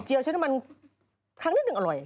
ไข่เจียวใช้น้ำมันครั้งนึงอร่อย